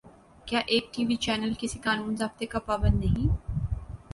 کیا ایک TV channel کسی قانون ضابطے کا پابند نہیں؟